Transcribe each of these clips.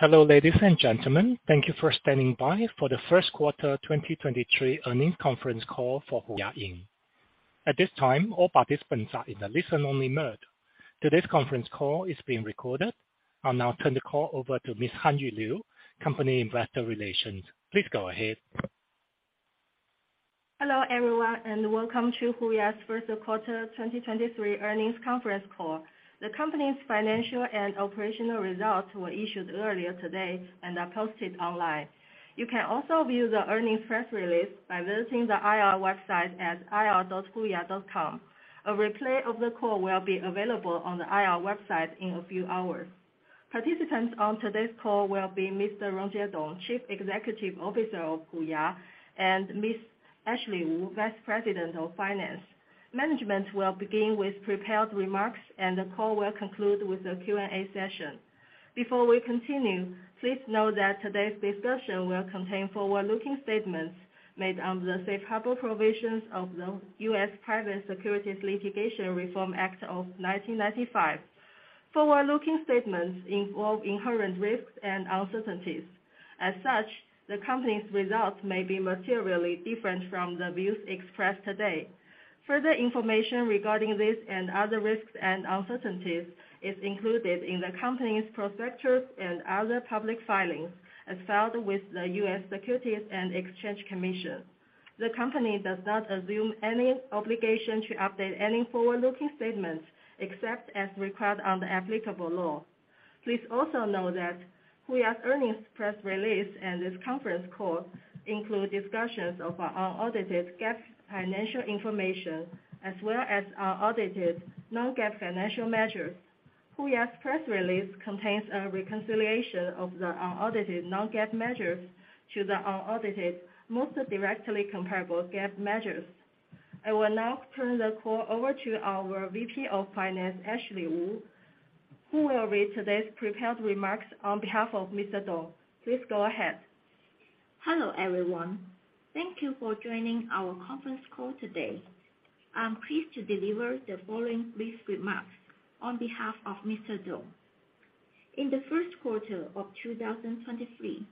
Hello, ladies and gentlemen. Thank you for standing by for the first quarter 2023 earnings conference call for HUYA Inc. At this time, all participants are in a listen only mode. Today's conference call is being recorded. I'll now turn the call over to Ms. Hanyu Liu, Company Investor Relations. Please go ahead. Hello, everyone, and welcome to HUYA's first quarter 2023 earnings conference call. The company's financial and operational results were issued earlier today and are posted online. You can also view the earnings press release by visiting the IR website at ir.huya.com. A replay of the call will be available on the IR website in a few hours. Participants on today's call will be Mr. Rongjie Dong, Chief Executive Officer of HUYA, and Ms. Ashley Wu, Vice President of Finance. Management will begin with prepared remarks and the call will conclude with a Q&A session. Before we continue, please note that today's discussion will contain forward-looking statements made under the Safe Harbor provisions of the U.S. Private Securities Litigation Reform Act of 1995. Forward-looking statements involve inherent risks and uncertainties. As such, the company's results may be materially different from the views expressed today. Further information regarding this and other risks and uncertainties is included in the company's prospectus and other public filings as filed with the U.S. Securities and Exchange Commission. The company does not assume any obligation to update any forward-looking statements except as required under applicable law. Please also know that HUYA's earnings press release and this conference call include discussions of our unaudited GAAP financial information, as well as unaudited non-GAAP financial measures. HUYA's press release contains a reconciliation of the unaudited non-GAAP measures to the unaudited, most directly comparable GAAP measures. I will now turn the call over to our VP of Finance, Ashley Wu, who will read today's prepared remarks on behalf of Mr. Dong. Please go ahead. Hello, everyone. Thank you for joining our conference call today. I'm pleased to deliver the following brief remarks on behalf of Mr. Dong. In the first quarter of 2023,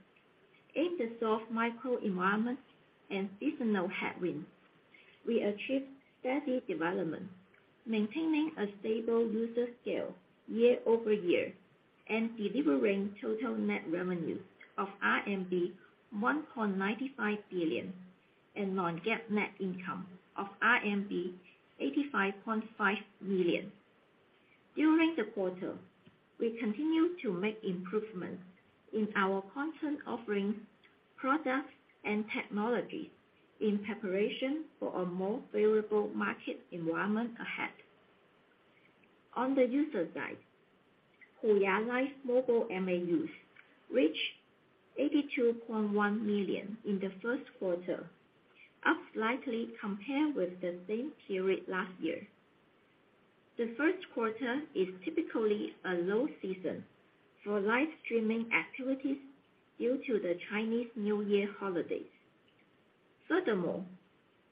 in the soft microenvironment and seasonal headwinds, we achieved steady development, maintaining a stable user scale year-over-year and delivering total net revenue of RMB 1.95 billion and non-GAAP net income of RMB 85.5 million. During the quarter, we continued to make improvements in our content offerings, products, and technologies in preparation for a more favorable market environment ahead. On the user side, HUYA Live mobile MAUs reached 82.1 million in the first quarter, up slightly compared with the same period last year. The first quarter is typically a low season for live streaming activities due to the Chinese New Year holidays. Furthermore,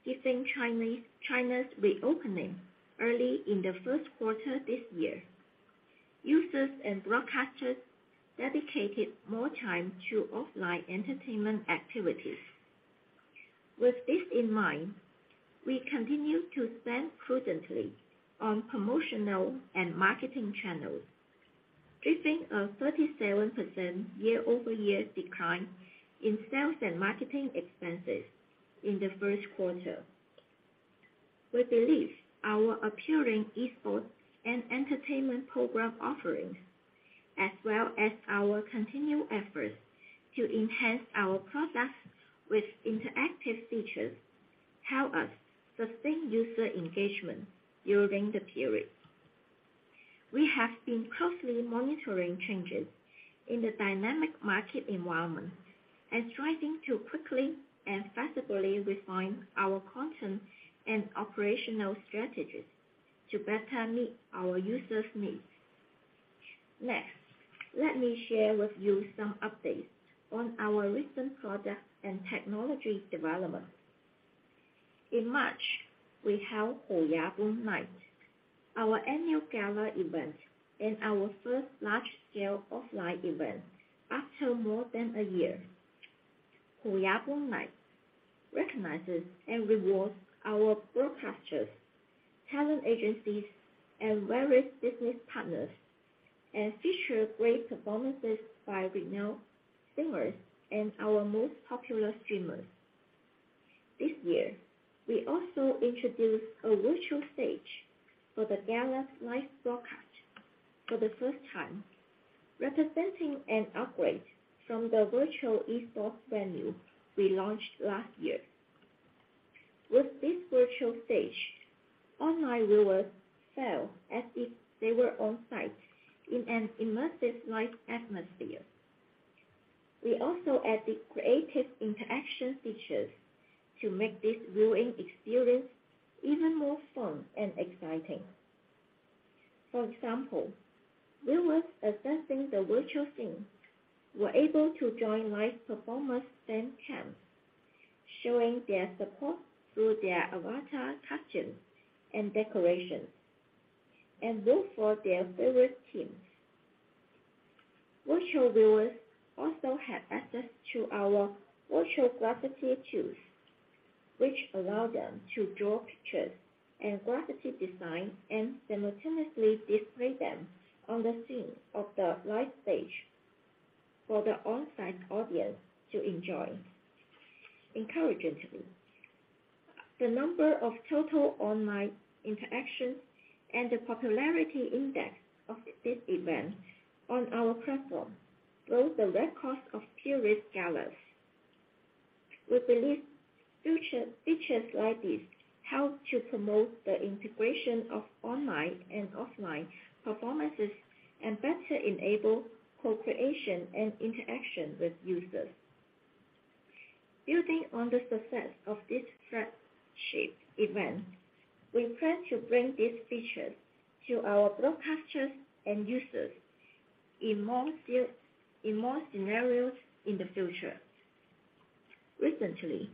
given China's reopening early in the first quarter this year, users and broadcasters dedicated more time to offline entertainment activities. With this in mind, we continued to spend prudently on promotional and marketing channels, driven a 37% year-over-year decline in sales and marketing expenses in the first quarter. We believe our appealing esports and entertainment program offerings as well as our continued efforts to enhance our products with interactive features help us sustain user engagement during the period. We have been closely monitoring changes in the dynamic market environment and striving to quickly and flexibly refine our content and operational strategies to better meet our users' needs. Let me share with you some updates on our recent product and technology development. In March, we held HUYA BOOM NIGHT, our annual gala event and our first large-scale offline event after more than a year. HUYA BOOM NIGHT recognizes and rewards our broadcasters, talent agencies, and various business partners, and feature great performances by renowned singers and our most popular streamers. This year, we also introduced a virtual stage for the gala's live broadcast for the first time, representing an upgrade from the virtual esports venue we launched last year. With this virtual stage, online viewers felt as if they were on-site in an immersive live atmosphere. We also added creative interaction features to make this viewing experience even more fun and exciting. For example, viewers accessing the virtual scene were able to join live performers' fan cams, showing their support through their avatar costumes and decorations. Look for their favorite teams. Virtual viewers also have access to our virtual gravity tools, which allow them to draw pictures and gravity design, and simultaneously display them on the scene of the live stage for the on-site audience to enjoy. Encouragingly, the number of total online interactions and the popularity index of this event on our platform broke the records of previous Galas. We believe future features like this help to promote the integration of online and offline performances, and better enable co-creation and interaction with users. Building on the success of this flagship event, we plan to bring these features to our broadcasters and users in more scenarios in the future. Recently,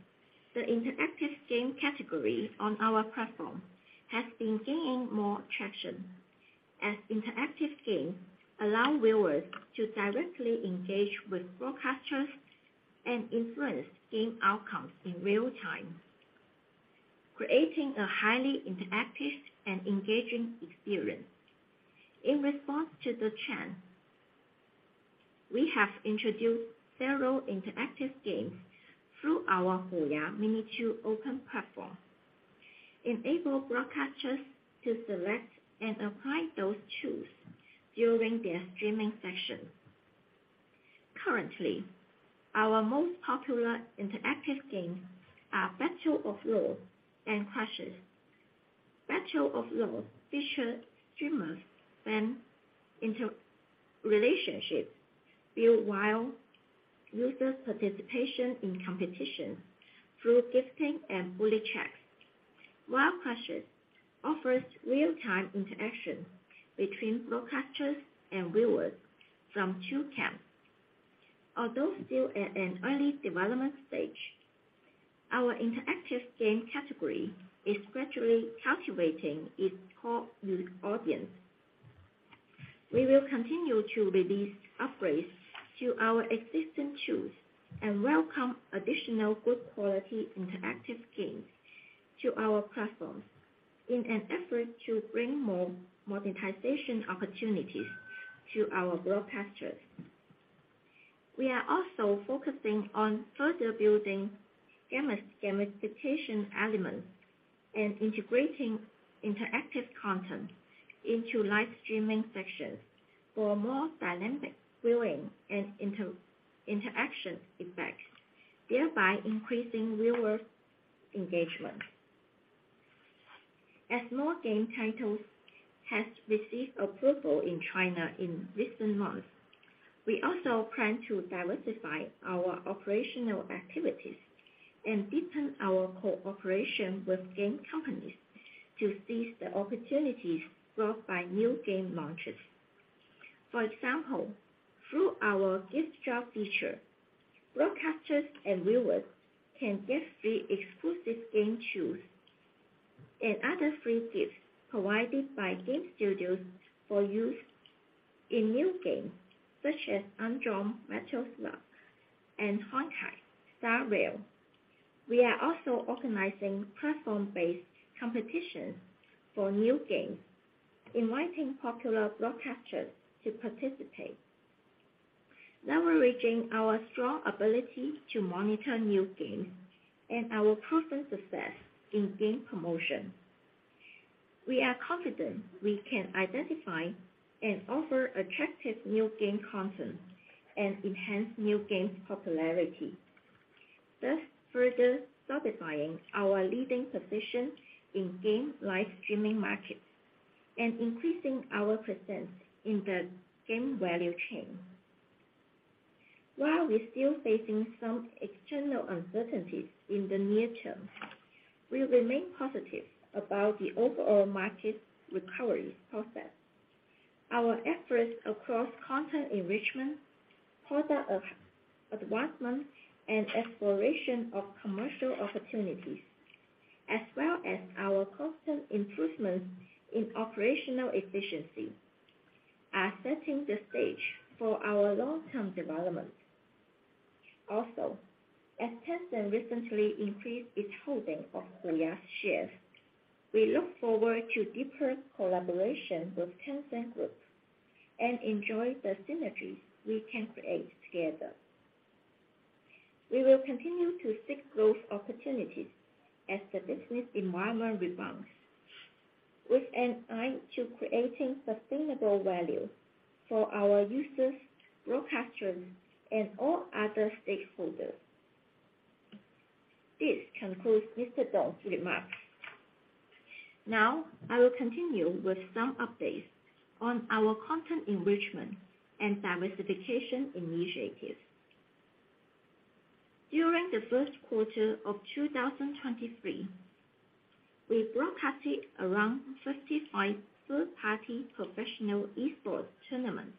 the interactive game category on our platform has been gaining more traction, as interactive games allow viewers to directly engage with broadcasters and influence game outcomes in real time, creating a highly interactive and engaging experience. In response to the trend, we have introduced several interactive games through our HUYA Mini Program open platform, enable broadcasters to select and apply those tools during their streaming session. Currently, our most popular interactive games are Battle of Lords and Crashes. Battle of Lords features streamers and relationships built while users participation in competition through gifting and bullet checks. While Crashes offers real-time interaction between broadcasters and viewers from two camps. Although still at an early development stage, our interactive game category is gradually cultivating its core audience. We will continue to release upgrades to our existing tools and welcome additional good quality interactive games to our platform in an effort to bring more monetization opportunities to our broadcasters. We are also focusing on further building gamist gamification elements and integrating interactive content into live streaming sessions for more dynamic viewing and inter-interaction effects, thereby increasing viewer engagement. As more game titles has received approval in China in recent months, we also plan to diversify our operational activities and deepen our cooperation with game companies to seize the opportunities brought by new game launches. For example, through our Gift Drop feature, broadcasters and viewers can get free exclusive game tools and other free gifts provided by game studios for use in new games such as Undawn, Metal Slug, and Honkai, Star Rail. We are also organizing platform-based competitions for new games, inviting popular broadcasters to participate. Leveraging our strong ability to monitor new games and our proven success in game promotion, we are confident we can identify and offer attractive new game content and enhance new games popularity, thus further solidifying our leading position in game live streaming markets and increasing our presence in the game value chain. While we're still facing some external uncertainties in the near term, we remain positive about the overall market recovery process. Our efforts across content enrichment, product advancement, and exploration of commercial opportunities, as well as our constant improvements in operational efficiency, are setting the stage for our long-term development. As Tencent recently increased its holding of HUYA shares, we look forward to deeper collaboration with Tencent Group and enjoy the synergies we can create together. We will continue to seek growth opportunities as the business environment rebounds, with an eye to creating sustainable value for our users, broadcasters, and all other stakeholders. This concludes Mr. Dong's remarks. I will continue with some updates on our content enrichment and diversification initiatives. During the first quarter of 2023, we broadcasted around 55 third-party professional esports tournaments,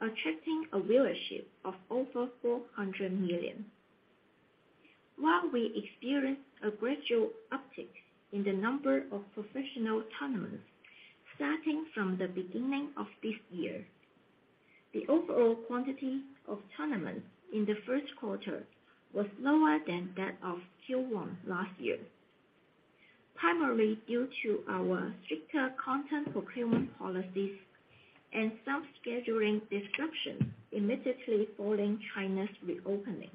attracting a viewership of over 400 million. We experienced a gradual uptick in the number of professional tournaments starting from the beginning of this year, the overall quantity of tournaments in the first quarter was lower than that of Q1 last year, primarily due to our stricter content procurement policies and some scheduling disruptions immediately following China's reopening.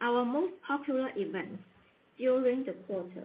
Our most popular events during the quarter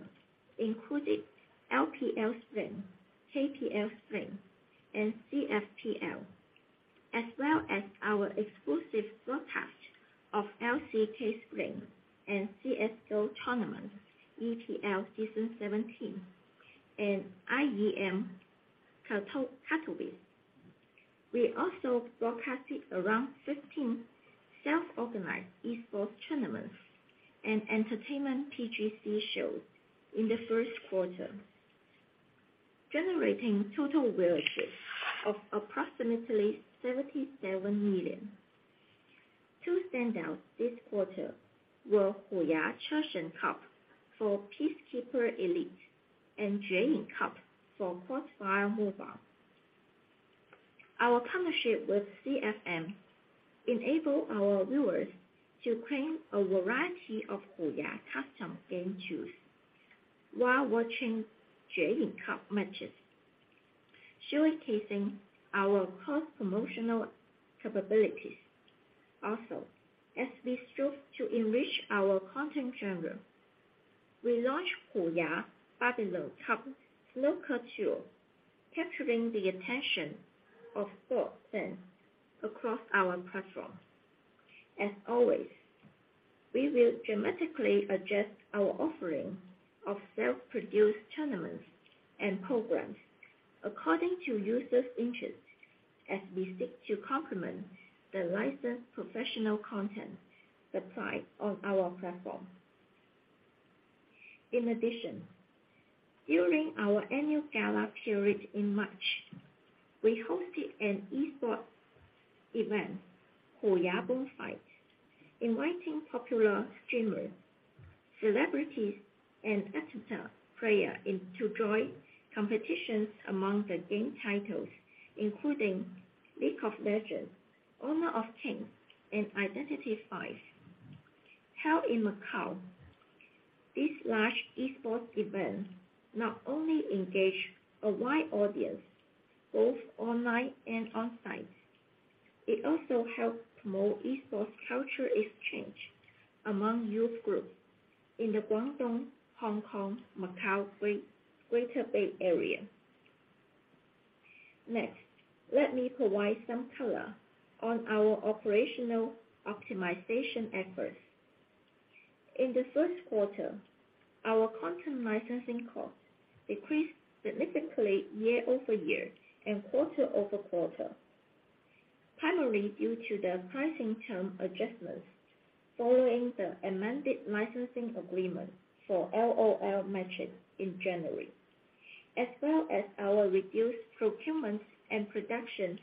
both online and on-site, it also helped promote esports culture exchange among youth groups in the Guangdong, Hong Kong, Macau Greater Bay Area. Next, let me provide some color on our operational optimization efforts. In the first quarter, our content licensing costs decreased significantly year-over-year and quarter-over-quarter, primarily due to the pricing term adjustments following the amended licensing agreement for LOL matches in January, as well as our reduced procurements and productions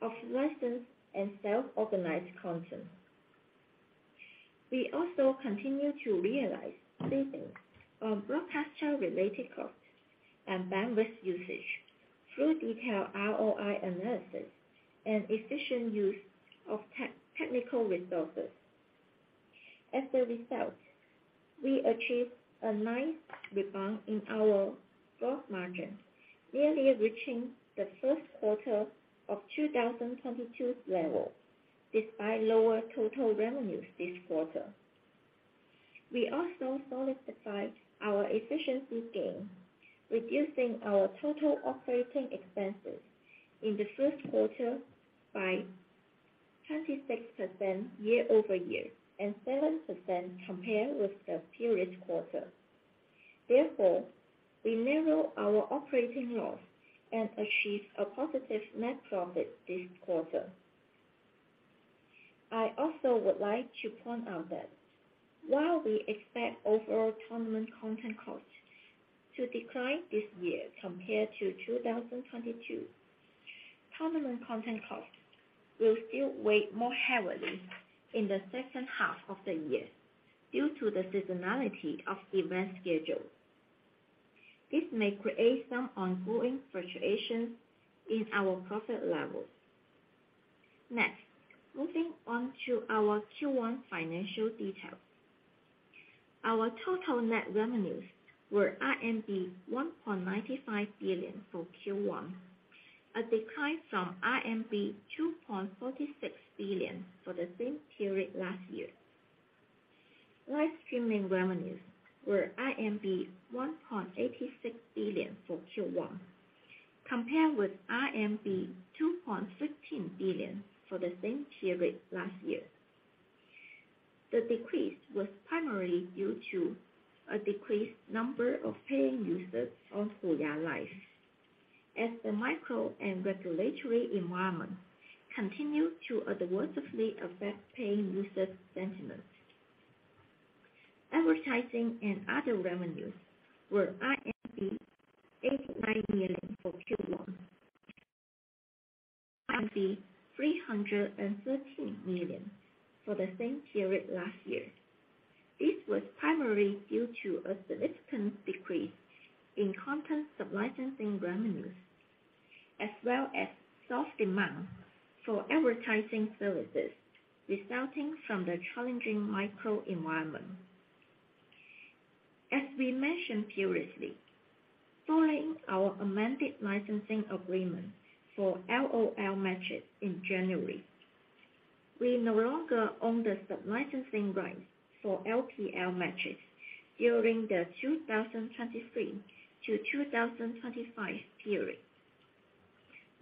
of licensed and self-organized content. We also continue to realize savings on broadcaster-related costs and bandwidth usage through detailed ROI analysis and efficient use of technical resources. As a result, we achieved a nice rebound in our growth margin, nearly reaching the first quarter of 2022 level despite lower total revenues this quarter. We also solidified our efficiency gain, reducing our total operating expenses in the first quarter by 26% year-over-year and 7% compared with the previous quarter. Therefore, we narrowed our operating loss and achieved a positive net profit this quarter. I also would like to point out that while we expect overall tournament content costs to decline this year compared to 2022, tournament content costs will still weigh more heavily in the second half of the year due to the seasonality of event schedule. This may create some ongoing fluctuations in our profit levels. Moving on to our Q1 financial details. Our total net revenues were RMB 1.95 billion for Q1, a decline from RMB 2.46 billion for the same period last year. Live streaming revenues were 1.86 billion for Q1, compared with 2.15 billion for the same period last year. The decrease was primarily due to a decreased number of paying users on HUYA Live as the micro and regulatory environment continued to adversely affect paying user sentiment. Advertising and other revenues were 8.9 billion for Q1. 313 million for the same period last year. This was primarily due to a significant decrease in content sub licensing revenues, as well as soft demand for advertising services resulting from the challenging microenvironment. As we mentioned previously, following our amended licensing agreement for LOL matches in January, we no longer own the sub licensing rights for LPL matches during the 2023-2025 period.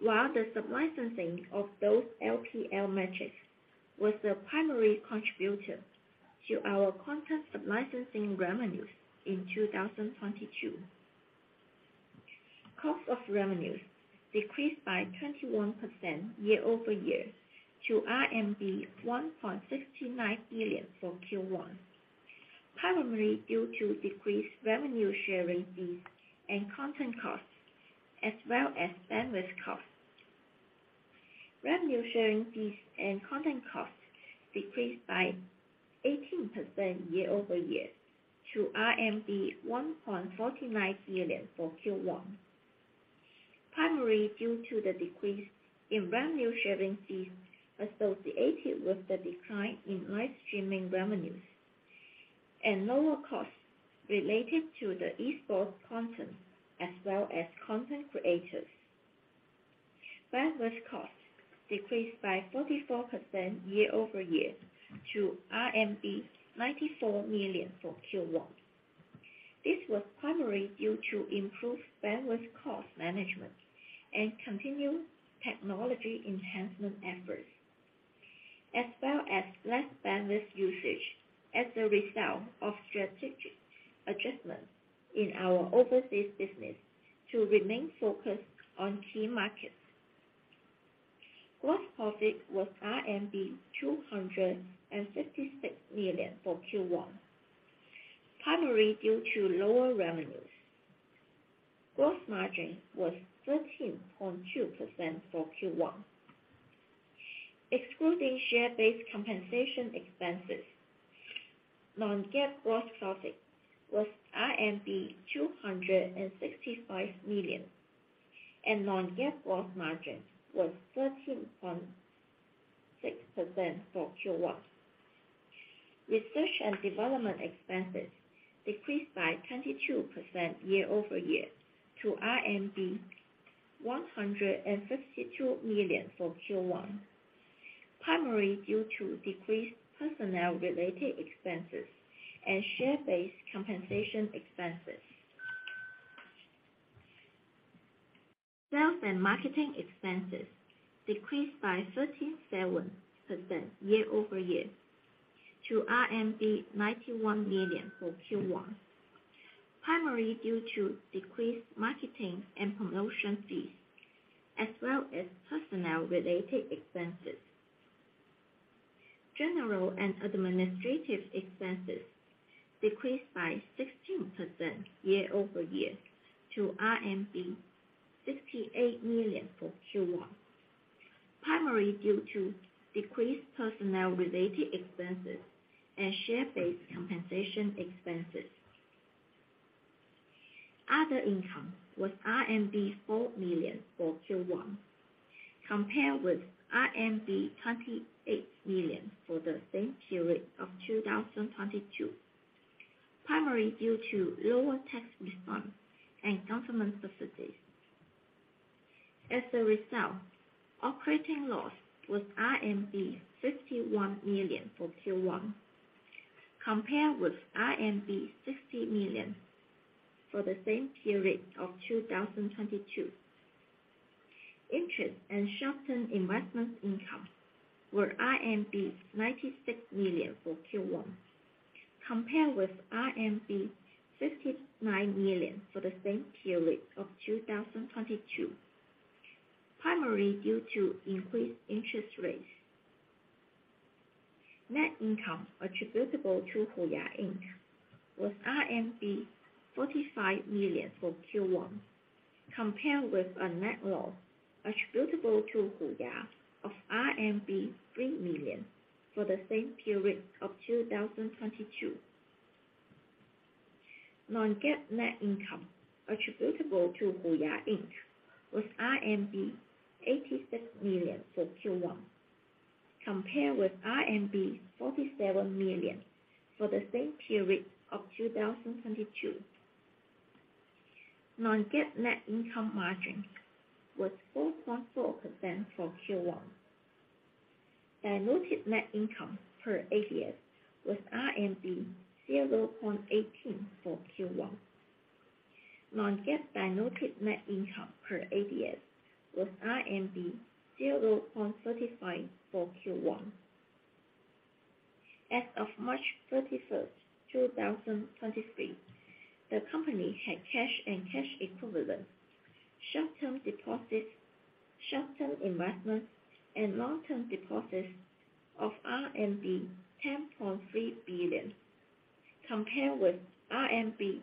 While the sub licensing of those LPL matches was the primary contributor to our content sub licensing revenues in 2022. Cost of revenues decreased by 21% year-over-year to RMB 1.69 billion for Q1, primarily due to decreased revenue sharing fees and content costs, as well as bandwidth costs. Revenue sharing fees and content costs decreased by 18% year-over-year to RMB 1.49 billion for Q1, primarily due to the decrease in revenue sharing fees associated with the decline in live streaming revenues and lower costs related to the esports content, as well as content creators. Bandwidth costs decreased by 44% year-over-year to RMB 94 million for Q1. This was primarily due to improved bandwidth cost management and continued technology enhancement efforts, as well as less bandwidth usage as a result of strategic adjustments in our overseas business to remain focused on key markets. Gross profit was RMB 256 million for Q1, primarily due to lower revenues. Gross margin was 13.2% for Q1. Excluding share-based compensation expenses, non-GAAP gross profit was RMB 265 million, and non-GAAP gross margin was 13.6% for Q1. Research and development expenses decreased by 22% year-over-year to RMB 152 million for Q1, primarily due to decreased personnel-related expenses and share-based compensation expenses. Sales and marketing expenses decreased by 37% year-over-year to RMB 91 million for Q1, primarily due to decreased marketing and promotion fees as well as personnel-related expenses. General and administrative expenses decreased by 16% year-over-year to RMB 58 million for Q1, primarily due to decreased personnel-related expenses and share-based compensation expenses. Other income was RMB 4 million for Q1, compared with RMB 28 million for the same period of 2022, primarily due to lower tax refunds and government subsidies. As a result, operating loss was RMB 51 million for Q1, compared with RMB 60 million for the same period of 2022. Interest and short-term investment income were RMB 96 million for Q1, compared with RMB 59 million for the same period of 2022, primarily due to increased interest rates. Net income attributable to HUYA Inc. was RMB 45 million for Q1, compared with a net loss attributable to HUYA of RMB 3 million for the same period of 2022. Non-GAAP net income attributable to HUYA Inc. was RMB 86 million for Q1, compared with RMB 47 million for the same period of 2022. Non-GAAP net income margin was 4.4% for Q1. Diluted net income per ADS was RMB 0.18 for Q1. Non-GAAP diluted net income per ADS was RMB 0.35 for Q1. As of March 31st, 2023, the company had cash and cash equivalents, short-term deposits, short-term investments, and long-term deposits of RMB 10.3 billion. Compare with RMB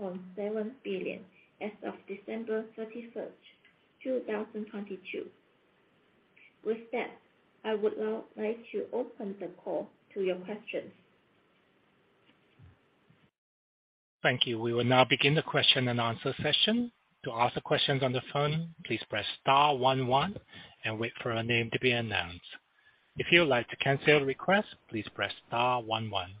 10.7 billion as of December 31st, 2022. With that, I would now like to open the call to your questions. Thank you. We will now begin the question and answer session. To ask questions on the phone, please press star one one and wait for your name to be announced. If you would like to cancel the request, please press star one one.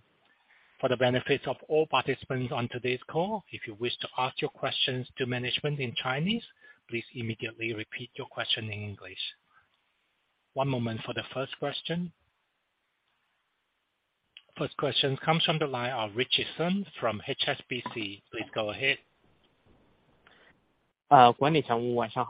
For the benefits of all participants on today's call, if you wish to ask your questions to management in Chinese, please immediately repeat your question in English. One moment for the first question. First question comes from the line of Ritchie Sun from HSBC. Please go ahead. Thank you for management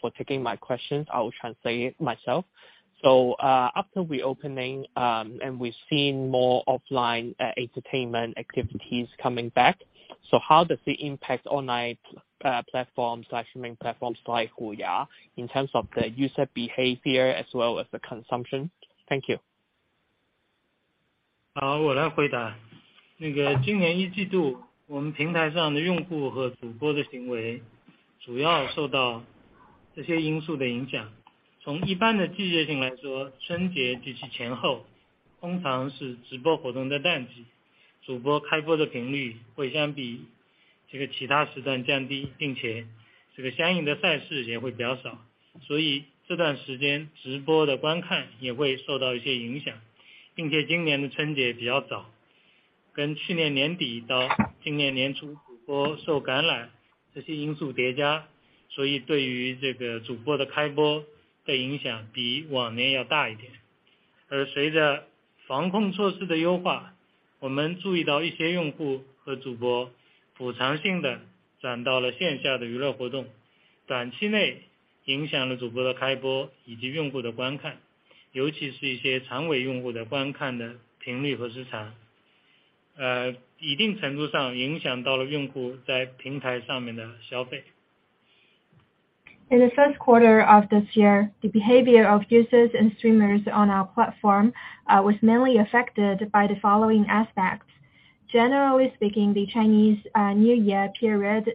for taking my questions. I will translate it myself. After reopening, and we've seen more offline entertainment activities coming back. How does it impact online platforms, like streaming platforms like HUYA, in terms of the user behavior as well as the consumption? Thank you. In the first quarter of this year, the behavior of users and streamers on our platform was mainly affected by the following aspects. Generally speaking, the Chinese New Year period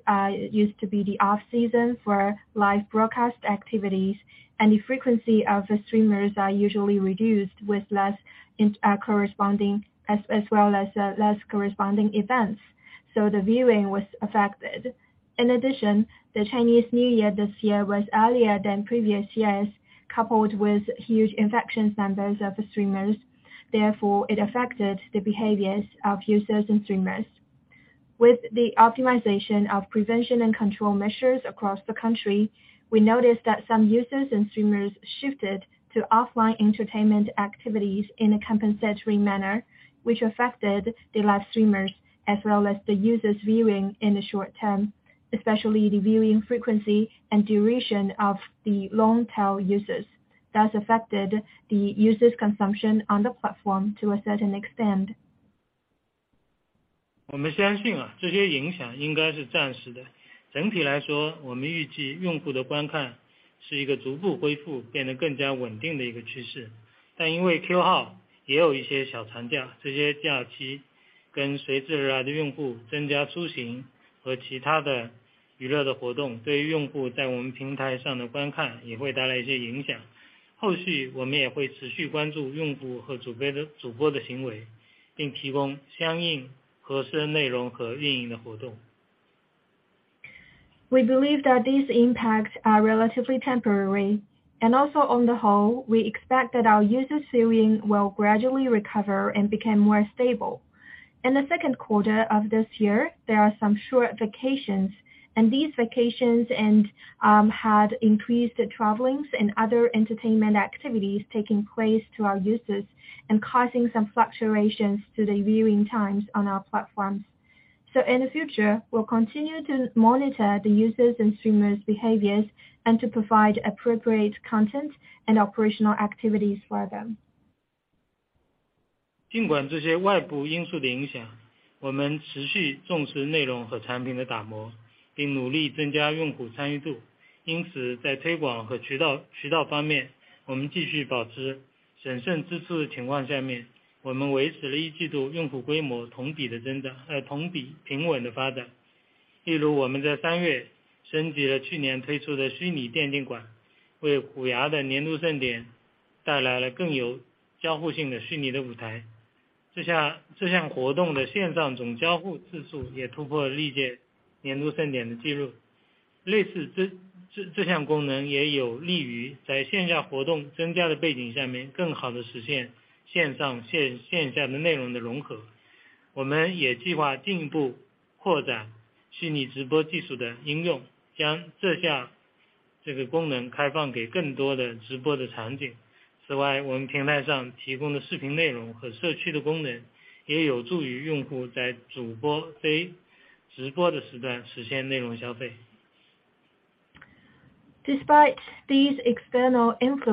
used to be the off-season for live broadcast activities. The frequency of the streamers are usually reduced, with less corresponding events. The viewing was affected. In addition, the Chinese New Year this year was earlier than previous years, coupled with huge infection numbers of the streamers. It affected the behaviors of users and streamers. With the optimization of prevention and control measures across the country, we noticed that some users and streamers shifted to offline entertainment activities in a compensatory manner, which affected the live streamers as well as the users viewing in the short term, especially the viewing frequency and duration of the long tail users. Thus affected the users' consumption on the platform to a certain extent. We believe that these impacts are relatively temporary. Also on the whole, we expect that our user viewing will gradually recover and become more stable. In the second quarter of this year, there are some short vacations. These vacations had increased the travelings and other entertainment activities taking place to our users and causing some fluctuations to the viewing times on our platforms. In the future, we'll continue to monitor the users' and streamers' behaviors and to provide appropriate content and operational activities for them. Despite these external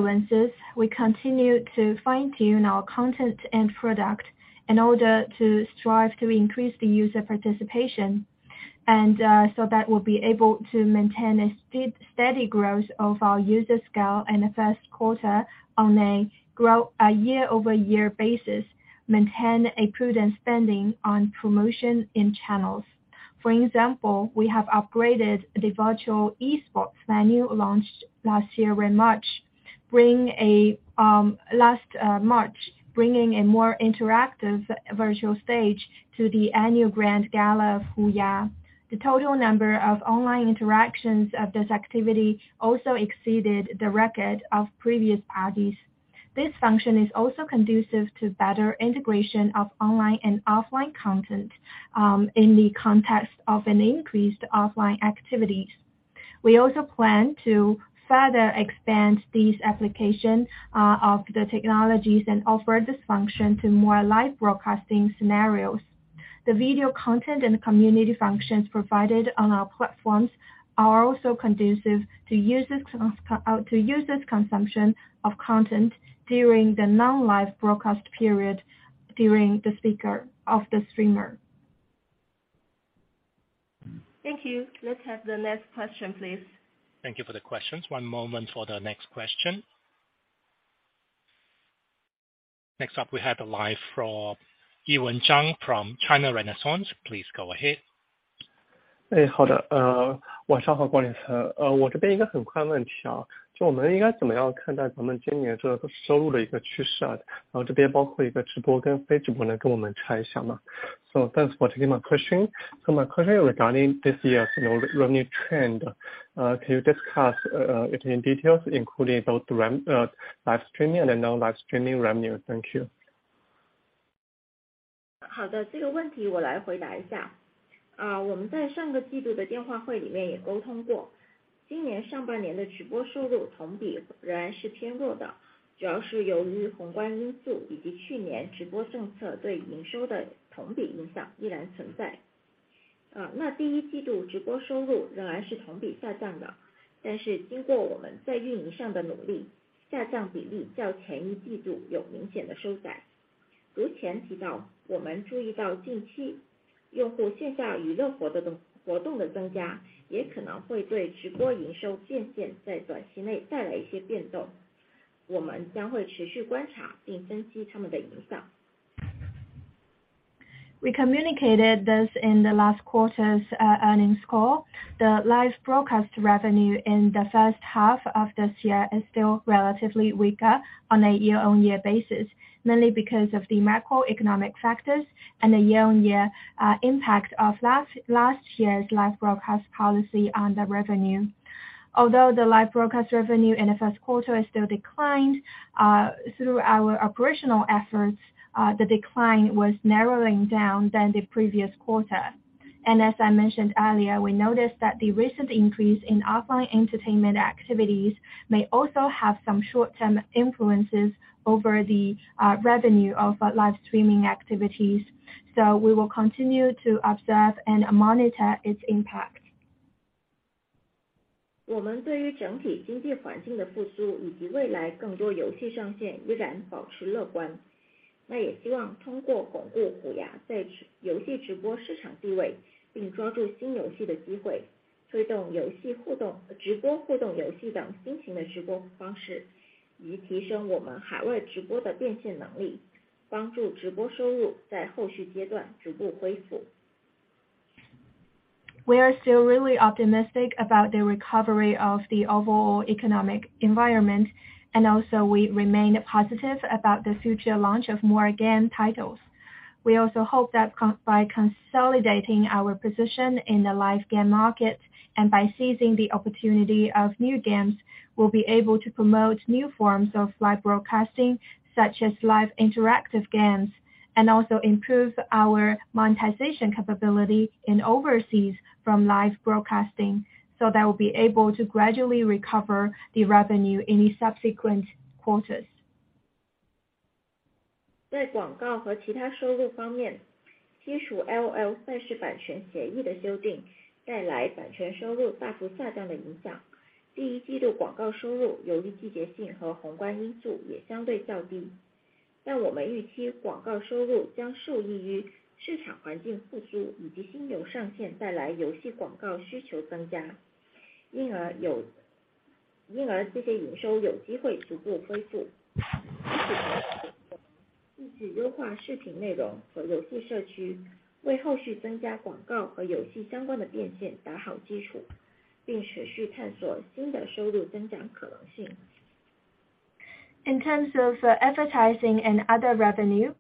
influences, we continue to fine-tune our content and product in order to strive to increase the user participation. We'll be able to maintain a steady growth of our user scale in the first quarter on a year-over-year basis, maintain a prudent spending on promotion in channels. For example, we have upgraded the virtual esports venue launched last year in March, bringing a more interactive virtual stage to the annual HUYA BOOM NIGHT. The total number of online interactions of this activity also exceeded the record of previous parties. This function is also conducive to better integration of online and offline content in the context of an increased offline activities. We also plan to further expand this application of the technologies and offer this function to more live broadcasting scenarios. The video content and community functions provided on our platforms are also conducive to users consumption of content during the non-live broadcast period during the speaker of the streamer. Thank you. Let's have the next question, please. Thank you for the questions. One moment for the next question. Next up, we have line from Yiwen Zhang from China Renaissance. Please go ahead. Thanks for taking my question. My question regarding this year's revenue trend, can you discuss it in details, including both the live streaming and the non-live streaming revenue? Thank you. We communicated this in the last quarter's earnings call. The live broadcast revenue in the first half of this year is still relatively weaker on a year-on-year basis, mainly because of the macroeconomic factors and the year-on-year impact of last year's live broadcast policy on the revenue. Although the live broadcast revenue in the first quarter still declined, through our operational efforts, the decline was narrowing down than the previous quarter. As I mentioned earlier, we noticed that the recent increase in offline entertainment activities may also have some short-term influences over the revenue of live streaming activities. We will continue to observe and monitor its impact. We are still really optimistic about the recovery of the overall economic environment, also we remain positive about the future launch of more game titles. We also hope that by consolidating our position in the live game market, and by seizing the opportunity of new games, we'll be able to promote new forms of live broadcasting, such as live interactive games, and also improve our monetization capability in overseas from live broadcasting. We'll be able to gradually recover the revenue in the subsequent quarters. In terms of advertising and other revenue,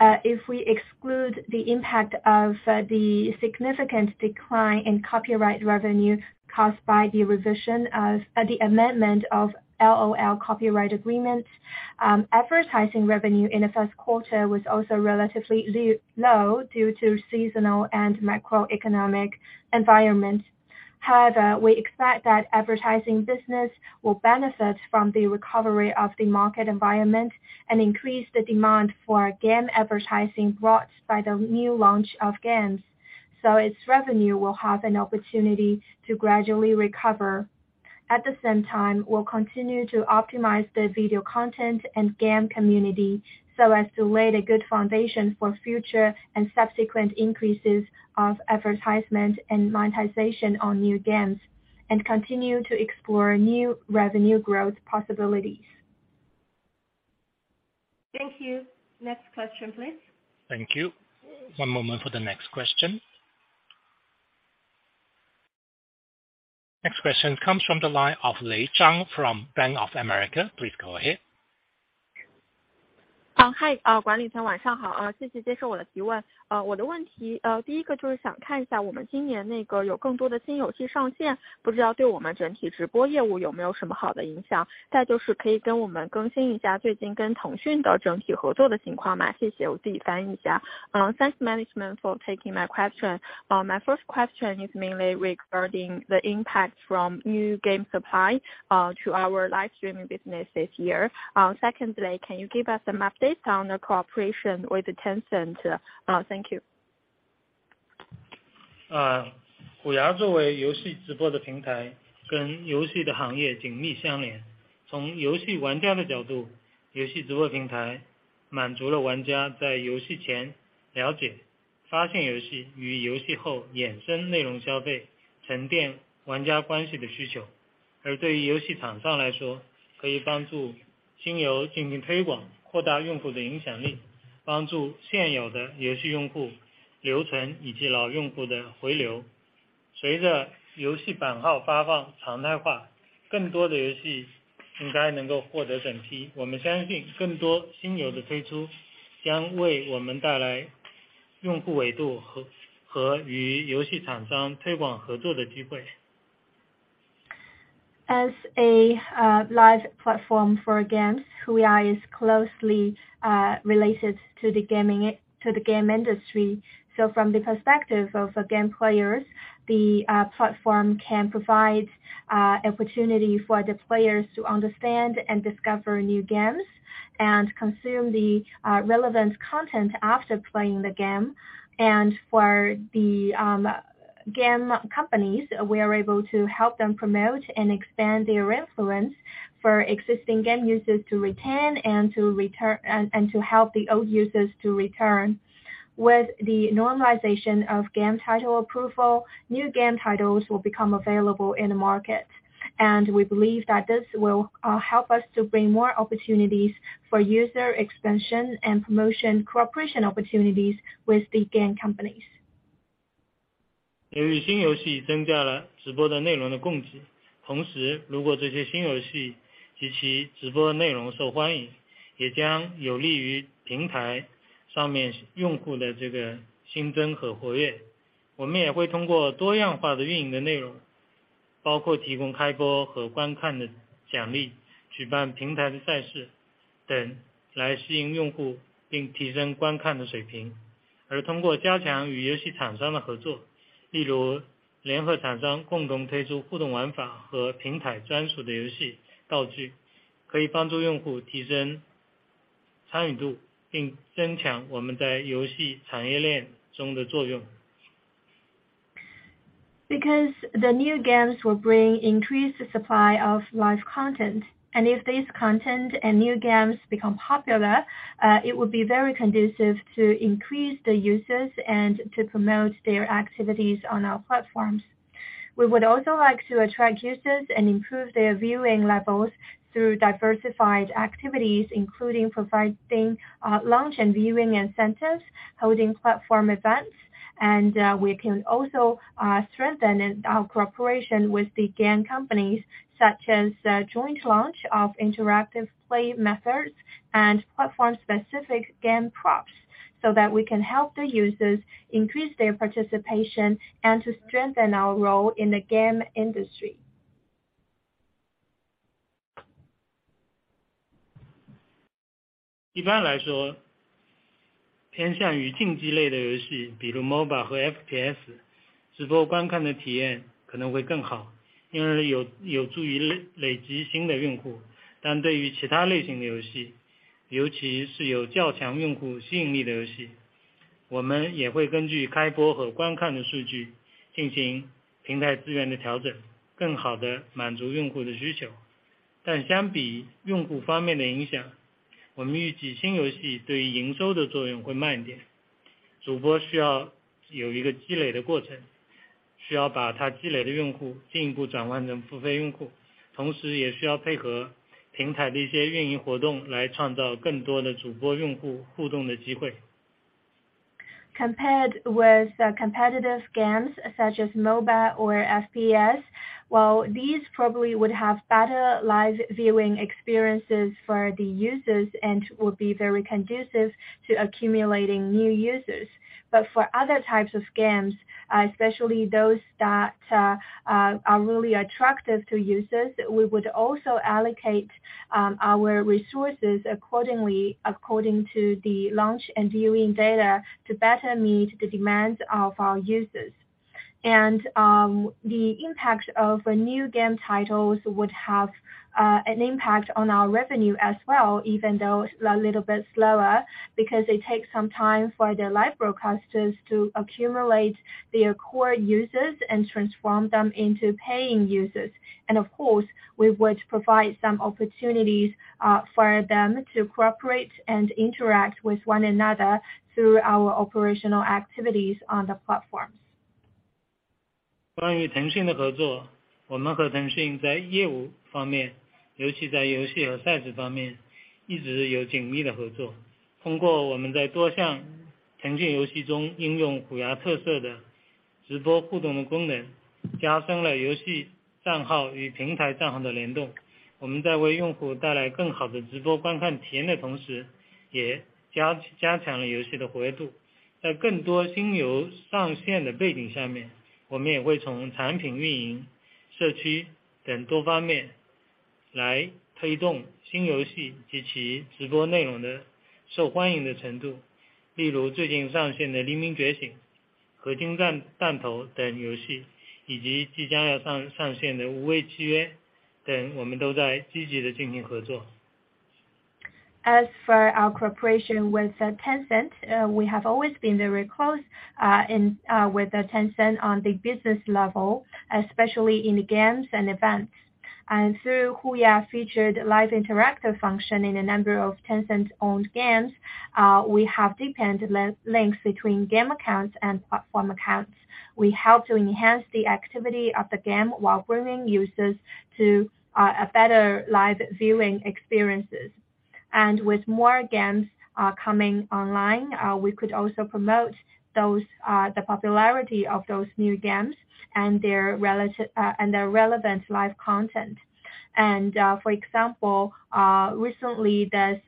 if we exclude the impact of the significant decline in copyright revenue caused by the amendment of LOL copyright agreements, advertising revenue in the first quarter was also relatively low due to seasonal and macroeconomic environment. However, we expect that advertising business will benefit from the recovery of the market environment and increase the demand for game advertising brought by the new launch of games. Its revenue will have an opportunity to gradually recover. At the same time, we'll continue to optimize the video content and game community so as to lay a good foundation for future and subsequent increases of advertisement and monetization on new games, and continue to explore new revenue growth possibilities. Thank you. Next question, please. Thank you. One moment for the next question. Next question comes from the line of Lei Zhang from Bank of America. Please go ahead. Hi. Thanks management for taking my question. My first question is mainly regarding the impact from new game supply to our live streaming business this year. Secondly, can you give us some updates on the cooperation with Tencent? Thank you. As a live platform for games, HUYA is closely related to the game industry. From the perspective of the game players, the platform can provide opportunity for the players to understand and discover new games and consume the relevant content after playing the game. For the game companies, we are able to help them promote and expand their influence for existing game users to retain and to help the old users to return. With the normalization of game title approval, new game titles will become available in the market. We believe that this will help us to bring more opportunities for user expansion and promotion cooperation opportunities with the game companies. Because the new games will bring increased supply of live content, and if this content and new games become popular, it will be very conducive to increase the users and to promote their activities on our platforms. We would also like to attract users and improve their viewing levels through diversified activities, including providing launch and viewing incentives, holding platform events, and we can also strengthen in our cooperation with the game companies such as the joint launch of interactive play methods and platform-specific game props, so that we can help the users increase their participation and to strengthen our role in the game industry. Compared with the competitive games such as MOBA or FPS, while these probably would have better live viewing experiences for the users and will be very conducive to accumulating new users. For other types of games, especially those that are really attractive to users, we would also allocate our resources accordingly according to the launch and viewing data to better meet the demands of our users. The impact of new game titles would have an impact on our revenue as well, even though a little bit slower, because it takes some time for the live broadcasters to accumulate their core users and transform them into paying users. Of course, we would provide some opportunities for them to cooperate and interact with one another through our operational activities on the platforms. As for our cooperation with Tencent, we have always been very close in with Tencent on the business level, especially in the games and events. Through HUYA featured live interactive function in a number of Tencent-owned games, we have deepened links between game accounts and platform accounts. We help to enhance the activity of the game while bringing users to a better live viewing experiences. With more games coming online, we could also promote those the popularity of those new games and their relative and their relevant live content. For example, recently there's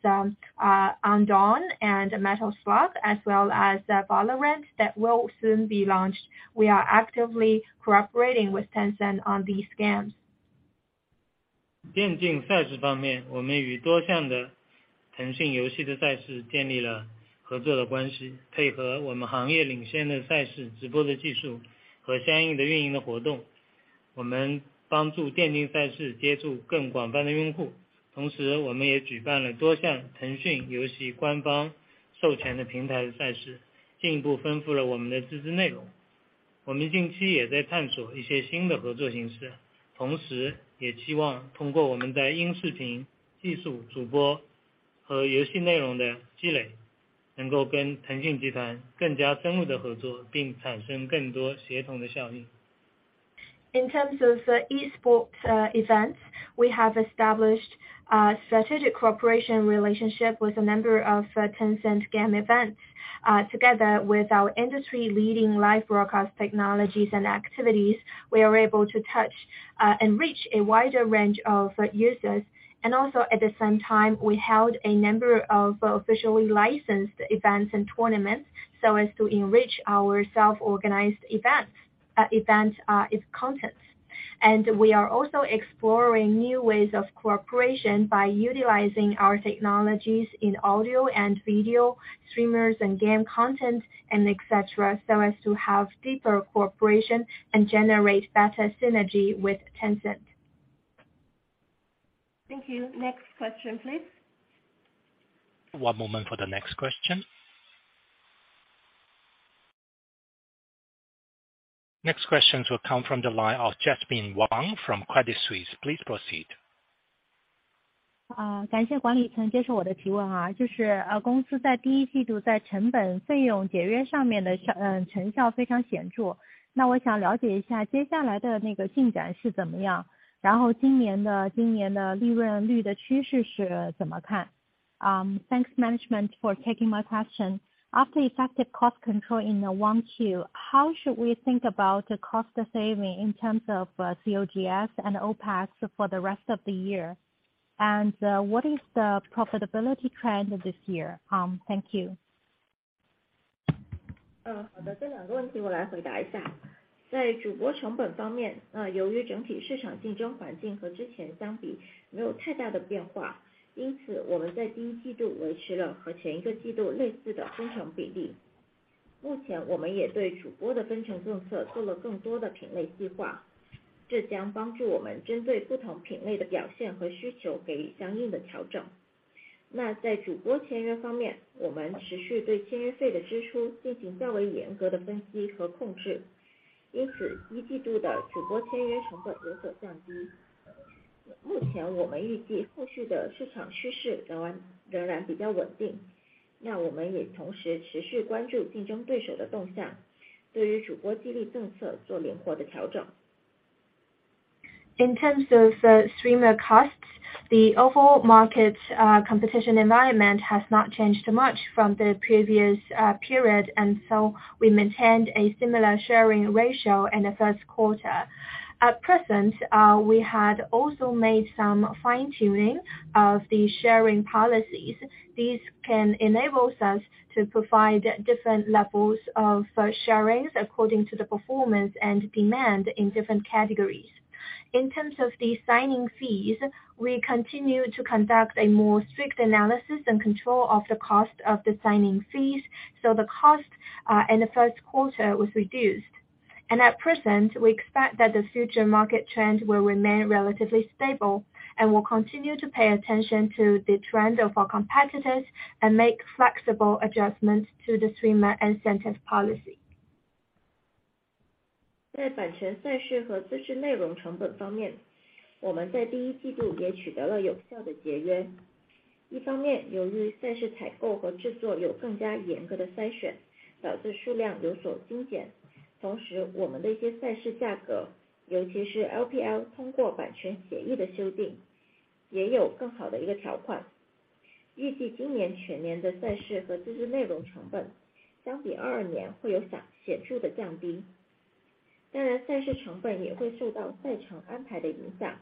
Undawn and Metal Slug as well as Valorant that will soon be launched. We are actively cooperating with Tencent on these games. In terms of esports events, we have established a strategic cooperation relationship with a number of Tencent game events, together with our industry leading live broadcast technologies and activities, we are able to touch and reach a wider range of users. Also at the same time, we held a number of officially licensed events and tournaments so as to enrich our self-organized events, its contents. We are also exploring new ways of cooperation by utilizing our technologies in audio and video, streamers and game content and etc., so as to have deeper cooperation and generate better synergy with Tencent. Thank you. Next question please. One moment for the next question. Next question will come from the line of Jasmine Wang from Credit Suisse. Please proceed. Thanks management for taking my question. After effective cost control in the 1Q, how should we think about the cost saving in terms of COGS and OPEX for the rest of the year? What is the profitability trend this year? Thank you. In terms of streamer costs, the overall market competition environment has not changed much from the previous period. We maintained a similar sharing ratio in the first quarter. At present, we had also made some fine-tuning of the sharing policies. These can enables us to provide different levels of sharing according to the performance and demand in different categories. In terms of the signing fees, we continue to conduct a more strict analysis and control of the cost of the signing fees. The cost in the first quarter was reduced. At present, we expect that the future market trend will remain relatively stable and will continue to pay attention to the trend of our competitors and make flexible adjustments to the streamer incentive policy. 在版权赛事和自制内容成本方 面， 我们在 Q1 也取得了有效的节约。一方 面， 由于赛事采购和制作有更加严格的筛 选， 导致数量有所精简。同时我们的一些赛事价 格， 尤其是 LPL 通过版权协议的修 订， 也有更好的一个条款。预计今年全年的赛事和自制内容成本相比2022年会有显著的降低。当 然， 赛事成本也会受到赛程安排的影响。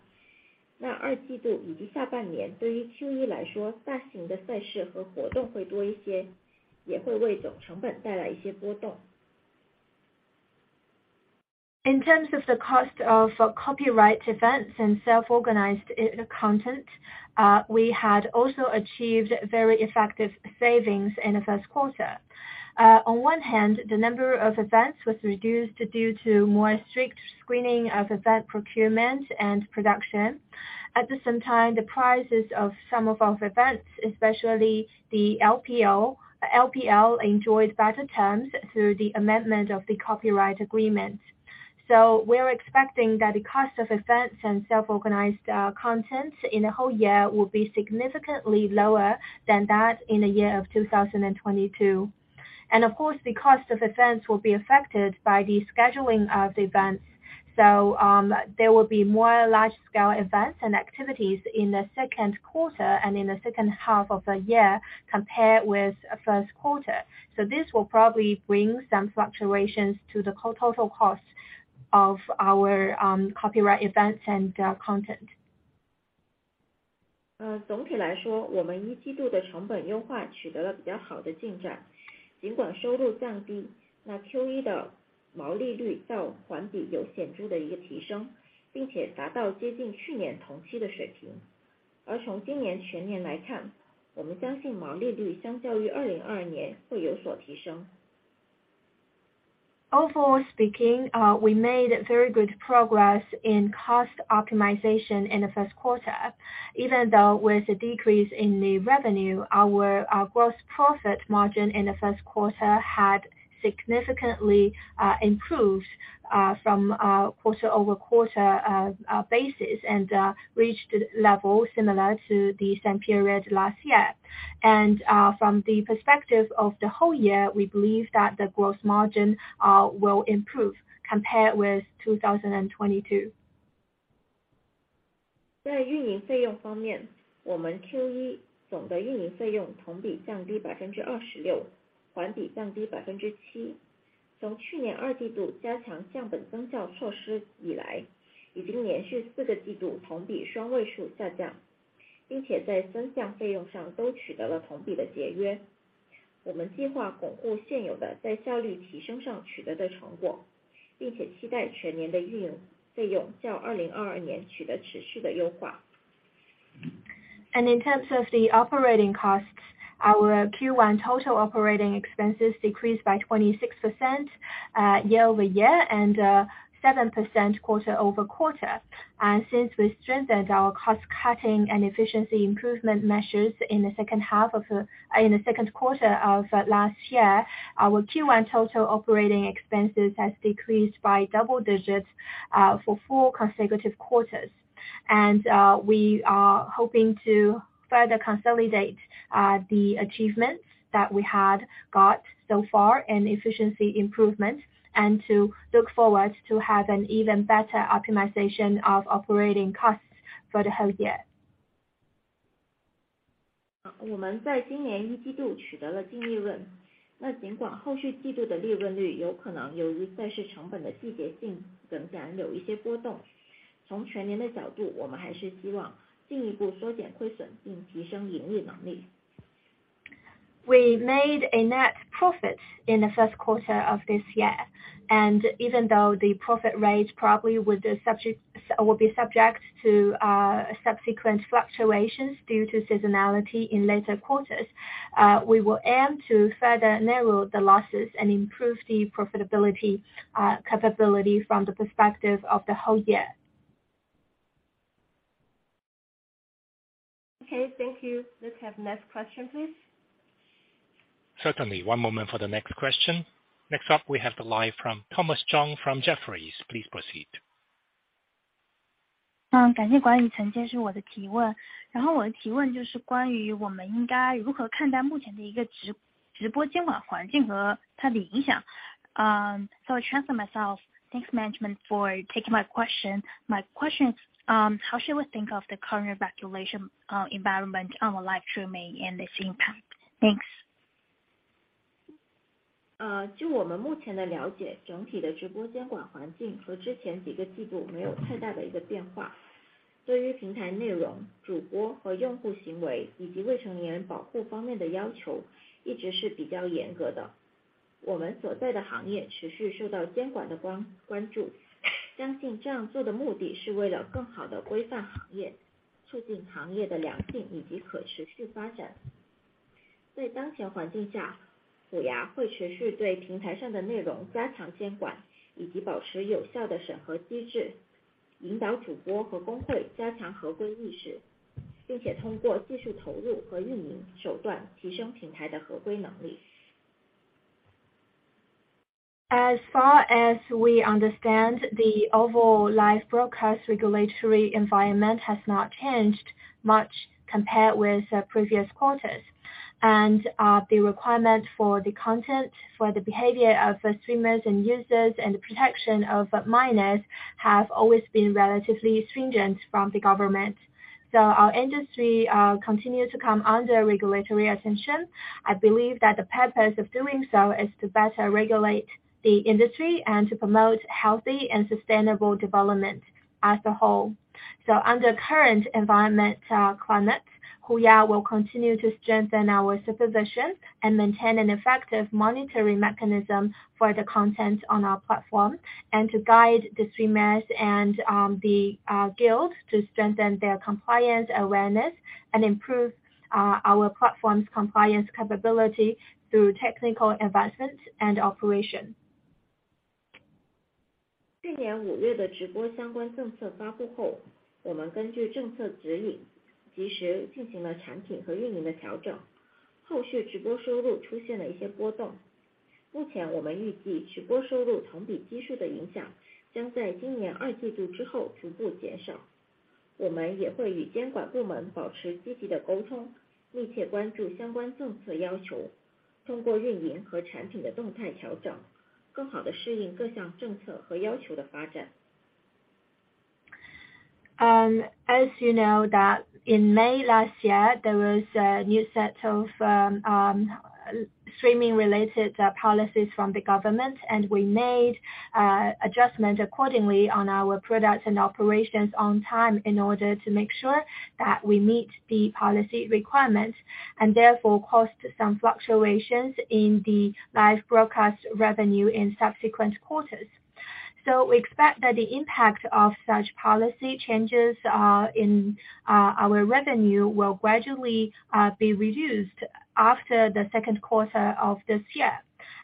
Q2 以及下半年对于 Q1 来 说， 大型的赛事和活动会多一 些， 也会为总成本带来一些波动。In terms of the cost of copyright events and self-organized content, we had also achieved very effective savings in the first quarter. On one hand, the number of events was reduced due to more strict screening of event procurement and production. At the same time, the prices of some of our events, especially the LPL, enjoyed better terms through the amendment of the copyright agreement. We are expecting that the cost of events and self-organized content in the whole year will be significantly lower than that in the year of 2022. Of course, the cost of events will be affected by the scheduling of the events. There will be more large-scale events and activities in the second quarter and in the second half of the year compared with first quarter. This will probably bring some fluctuations to the total cost of our copyright events and content. 呃， 总体来 说， 我们一季度的成本优化取得了比较好的进展。尽管收入降 低， 那 Q1 的毛利率较环比有显著的一个提 升， 并且达到接近去年同期的水平。而从今年全年来 看， 我们相信毛利率相较于二零二年会有所提升。Overall speaking, we made very good progress in cost optimization in the first quarter, even though with the decrease in the revenue our gross profit margin in the first quarter had significantly improved from a quarter-over-quarter basis and reached levels similar to the same period last year. From the perspective of the whole year, we believe that the gross margin will improve compared with 2022. 在运营费用方 面， 我们 Q1 总的运营费用同比降低百分之二十 六， 环比降低百分之七。从去年二季度加强降本增效措施以 来, 已经连续四个季度同比双位数下 降， 并且在增降费用上都取得了同比的节约。我们计划巩固现有的在效率提升上取得的成 果， 并且期待全年的运营费用较二零二年取得持续的优化。In terms of the operating costs, our Q1 total operating expenses decreased by 26% year-over-year and 7% quarter-over-quarter. Since we strengthened our cost cutting and efficiency improvement measures in the second quarter of last year, our Q1 total operating expenses has decreased by double digits for four consecutive quarters. We are hoping to further consolidate the achievements that we had got so far in efficiency improvement and to look forward to have an even better optimization of operating costs for the whole year. 我们在今年一季度取得了净利 润， 那尽管后续季度的利润率有可能由于赛事成本的季节性影响有一些波动。从全年的角 度， 我们还是希望进一步缩减亏损并提升盈利能力。We made a net profit in the first quarter of this year. Even though the profit rate probably will be subject to subsequent fluctuations due to seasonality in later quarters, we will aim to further narrow the losses and improve the profitability capability from the perspective of the whole year. Okay, thank you. Let's have next question, please. Certainly. One moment for the next question. Next up, we have the line from Thomas Chong from Jefferies. Please proceed. 感谢管理层接受我的提问。然后我的提问就是关于我们应该如何看待目前的一个直播监管环境和它的影响。I translate myself. Thanks management for taking my question. My question, how should we think of the current regulation environment on the live streaming and its impact? Thanks. 就我们目前的了 解， 整体的直播监管环境和之前几个季度没有太大的一个变化。对于平台内容、主播和用户行为以及未成年人保护方面的要求一直是比较严格的。We are that the highly 持续受到监管的光关注。相信这样做的目的是为了更好地规范行 业， 促进行业的良性以及可持续发展。在当前环境 下， HUYA 会持续对平台上的内容加强监 管， 以及保持有效的审核机 制， 引导主播和公会加强合规意 识， 并且通过技术投入和运营手段提升平台的合规能力。As far as we understand, the overall live broadcast regulatory environment has not changed much compared with previous quarters, and the requirement for the content, for the behavior of the streamers and users, and the protection of minors have always been relatively stringent from the government. Our industry continue to come under regulatory attention. I believe that the purpose of doing so is to better regulate the industry and to promote healthy and sustainable development as a whole. Under current environment, climate, HUYA will continue to strengthen our supervision and maintain an effective monitoring mechanism for the content on our platform, and to guide the streamers and, the guild to strengthen their compliance awareness and improve our platform's compliance capability through technical investments and operation. 去年五月的直播相关政策发布 后， 我们根据政策指 引， 及时进行了产品和运营的调 整， 后续直播收入出现了一些波 动. 目前我们预计直播收入同比基数的影响将在今年 2Q 之后逐步减 少. 我们也会与监管部门保持积极的沟 通， 密切关注相关政策要 求， 通过运营和产品的动态调整，更好地适应各项政策和要求的发 展. As you know that in May last year, there was a new set of streaming related policies from the government, and we made adjustment accordingly on our products and operations on time in order to make sure that we meet the policy requirements and therefore cost some fluctuations in the live broadcast revenue in subsequent quarters. We expect that the impact of such policy changes in our revenue will gradually be reduced after the second quarter of this year.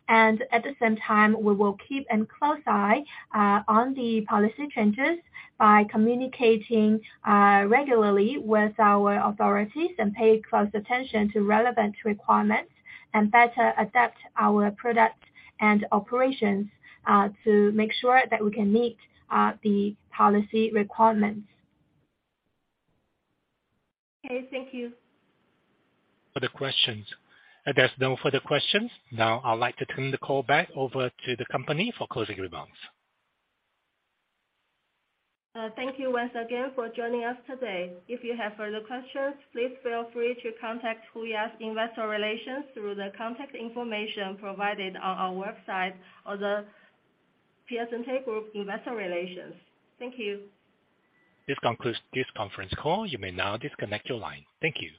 At the same time, we will keep an close eye on the policy changes by communicating regularly with our authorities and pay close attention to relevant requirements, and better adapt our product and operations to make sure that we can meet the policy requirements. Okay, thank you. Further questions. If there's no further questions, now I'd like to turn the call back over to the company for closing remarks. Thank you once again for joining us today. If you have further questions, please feel free to contact Huya's Investor Relations through the contact information provided on our website or The Piacente Group, Inc. Investor Relations. Thank you. This concludes this conference call. You may now disconnect your line. Thank you.